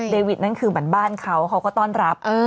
วิทนั่นคือเหมือนบ้านเขาเขาก็ต้อนรับ